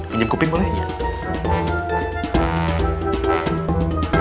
pinjam kuping boleh nggak